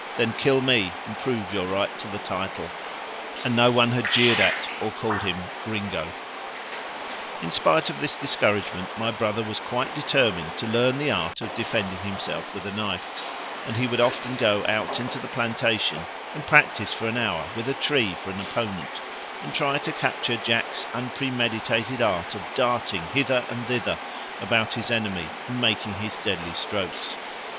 then kill me and prove your right to the title," and no one had jeered at or called him "gringo." In spite of this discouragement my brother was quite determined to learn the art of defending himself with a knife, and he would often go out into the plantation and practise for an hour with a tree for an opponent, and try to capture Jack's unpremeditated art of darting hither and thither about his enemy and making his deadly strokes.